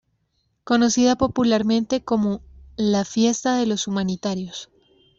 Conocida popularmente como la "Fiesta de los Humanitarios".